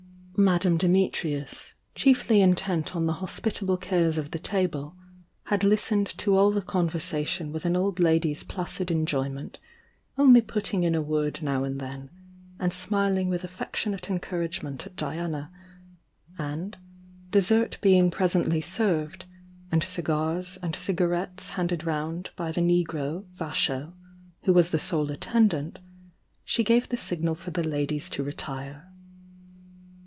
Madame Dimitrius, chiefly intent on the hospit able cares of the table, had listened to all the conver sation with an old lady's placid enjoyment, only putting in a word now and then, and smiling with afFectionate enbouragement at Diana, and dessert being presently served, and cigars and cigarettes handed round by the negro, Vasho, who was the sole attendant, she gave the signal for the ladies to re tire.